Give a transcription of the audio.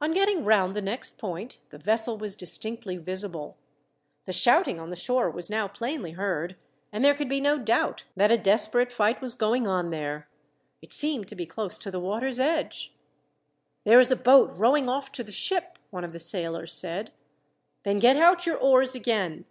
On getting round the next point, the vessel was distinctly visible. The shouting on the shore was now plainly heard, and there could be no doubt that a desperate fight was going on there. It seemed to be close to the water's edge. "There is a boat rowing off to the ship," one of the sailors said. "Then get out your oars again.